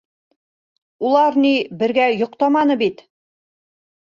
Улар ни бергә йоҡтаманы бит!